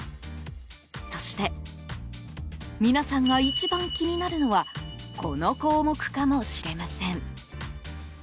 そして皆さんが一番気になるのはこの項目かもしれません。